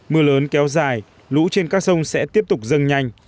mưa lớn kéo dài lũ trên các sông sẽ tiếp tục dâng nhanh